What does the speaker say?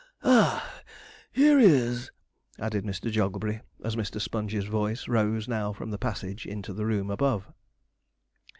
Ah! here he is,' added Mr. Jogglebury, as Mr. Sponge's voice rose now from the passage into the room above.